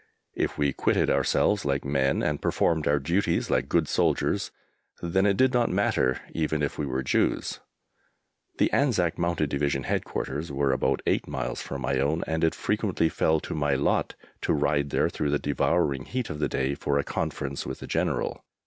If we quitted ourselves like men and performed our duties like good soldiers, then it did not matter, even if we were Jews. The Anzac Mounted Division Headquarters were about eight miles from my own, and it frequently fell to my lot to ride there through the devouring heat of the day for a conference with the General.